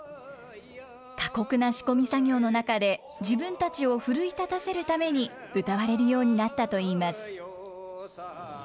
過酷な仕込み作業の中で、自分たちを奮い立たせるために歌われるようになったといいます。